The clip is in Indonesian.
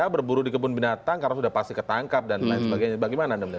berburu di kebun binatang karena sudah pasti ketangkap dan lain sebagainya bagaimana anda melihat